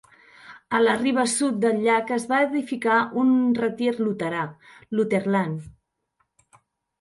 A la riba sud del llac es va edificar un retir luterà, Lutherland.